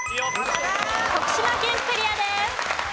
徳島県クリアです。